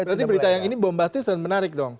berarti berita yang ini bombastis dan menarik dong